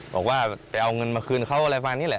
บอกว่าไปเอาเงินมาคืนเขาอะไรประมาณนี้แหละ